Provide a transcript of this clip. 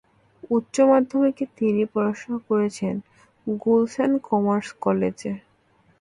উচ্চ মাধ্যমিকে তিনি পড়াশোনা করেছেন গুলশান কমার্স কলেজে।